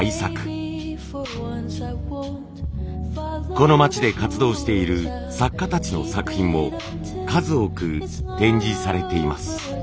この町で活動している作家たちの作品も数多く展示されています。